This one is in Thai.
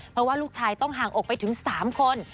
เพราะว่าลูกชายต้องห่างอกไปถึง๓คน